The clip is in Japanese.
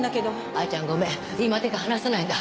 藍ちゃんごめん今手がはなせないんだ。